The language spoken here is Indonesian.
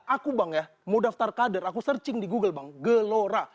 aku bang ya mau daftar kader aku searching di google bang gelora